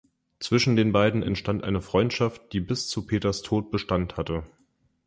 Zwischen den beiden entstand eine Freundschaft, die bis zu Peters Tod Bestand hatte.